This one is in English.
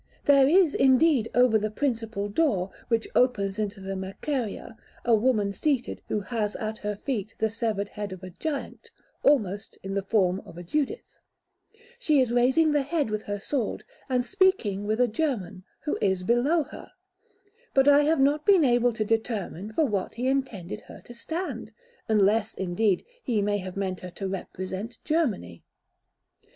There is, indeed, over the principal door, which opens into the Merceria, a woman seated who has at her feet the severed head of a giant, almost in the form of a Judith; she is raising the head with her sword, and speaking with a German, who is below her; but I have not been able to determine for what he intended her to stand, unless, indeed, he may have meant her to represent Germany.